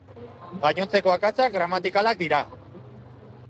Gainontzeko akatsak gramatikalak dira.